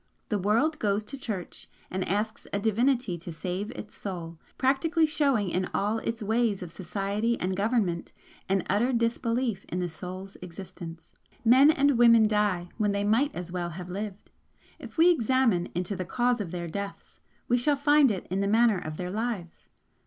The world goes to church and asks a Divinity to save its soul, practically showing in all its ways of society and government an utter disbelief in the Soul's existence. Men and women die when they might as well have lived. If we examine into the cause of their deaths we shall find it in the manner of their lives.